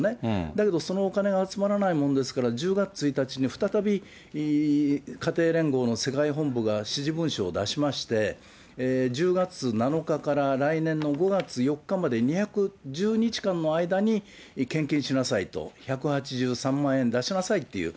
だけどそのお金が集まらないものですから、１０月１日に再び家庭連合の世界本部が指示文書を出しまして、１０月７日から来年の５月４日まで、２１０日間の間に、献金しなさいと、１８３万円出しなさいっていう。